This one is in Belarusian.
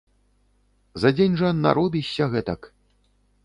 За дзень жа наробішся гэтак.